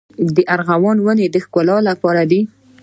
د ارغوان ونې د ښکلا لپاره دي؟